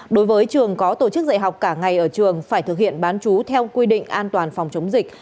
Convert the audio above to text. đối với trường có tổ chức dạy học cả ngày ở trường phải thực hiện bán chú theo quy định an toàn phòng chống dịch